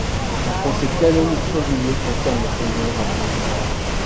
Un procès canonique régulier confirme le fait miraculeux.